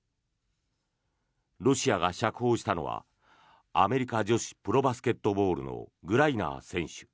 ロシアが釈放したのはアメリカ女子プロバスケットボールのグライナー選手。